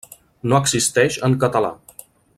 No existeix en català.